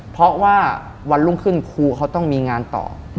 เพราะว่าวันรุ่งขึ้นครูเขาต้องมีงานต่อ